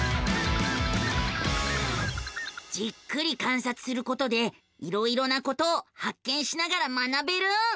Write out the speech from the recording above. じっくり観察することでいろいろなことを発見しながら学べる。